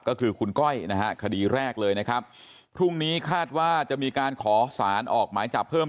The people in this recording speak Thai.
ก็คือคุณก้อยนะฮะคดีแรกเลยนะครับพรุ่งนี้คาดว่าจะมีการขอสารออกหมายจับเพิ่ม